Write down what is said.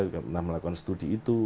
juga pernah melakukan studi itu